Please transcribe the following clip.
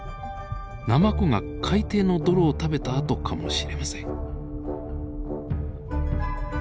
ナマコが海底の泥を食べた跡かもしれません。